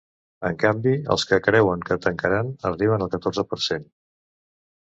En canvi, els qui creuen que tancaran arriben al catorze per cent.